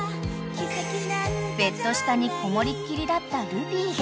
［ベッド下にこもりっきりだったルビーが］